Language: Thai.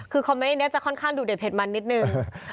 คือคอมเมนต์นี้จะค่อนข้างดูเด็ดเด็ดมันนิดนึง